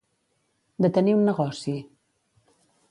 Detenir un negoci.